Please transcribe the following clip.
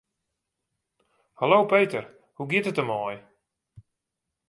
Hallo Peter, hoe giet it der mei?